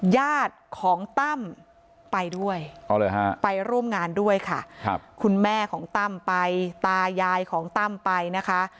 ญาติของตั้มไปด้วยไปร่วมงานด้วยค่ะคุณแม่ของตั้มไปตายายของตั้มไปนะคะ